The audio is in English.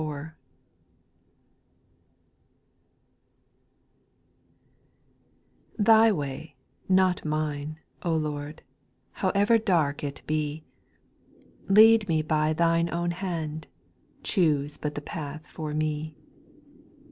nnilY way, not mine^ O Lord, X However dark it be I Lead me by Thine own hand, Choose but the path for me.